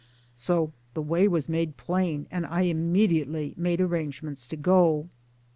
So the way was made plain, and I immediately made arrangements to go.